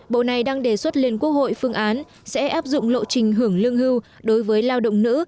bộ này đang đề xuất lên quốc hội phương án sẽ áp dụng lộ trình hưởng lương hưu đối với lao động nữ